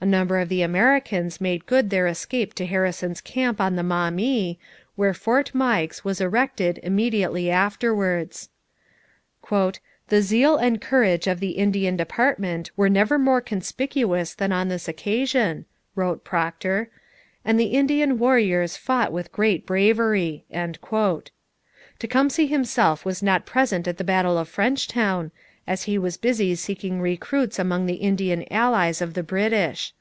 A number of the Americans made good their escape to Harrison's camp on the Maumee, where Fort Meigs was erected immediately afterwards. 'The zeal and courage of the Indian department were never more conspicuous than on this occasion,' wrote Procter, 'and the Indian warriors fought with great bravery.' Tecumseh himself was not present at the battle of Frenchtown, as he was busy seeking recruits among the Indian allies of the British.